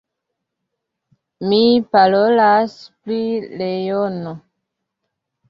Mi parolas pri leono.